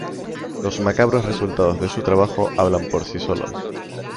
Los macabros resultados de su trabajo hablan por sí solos.